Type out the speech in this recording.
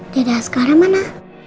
dada sekarang mana